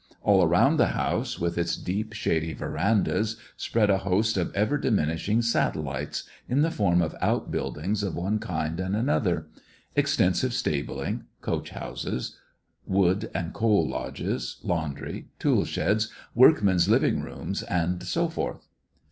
All round the house, with its deep, shady verandahs, spread a host of ever diminishing satellites, in the form of outbuildings of one kind and another; extensive stabling, coach houses, wood and coal lodges, laundry, tool sheds, workmen's living rooms, and so forth.